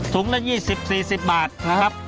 ถุงละ๒๐๔๐บาทครับ